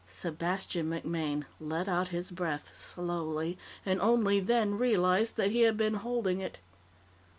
Sebastian MacMaine let out his breath slowly, and only then realized that he had been holding it.